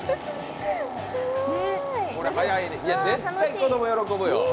絶対子供喜ぶよ。